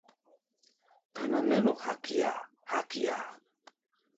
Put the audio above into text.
Táná nɛ́ nɔ hakia-hakia.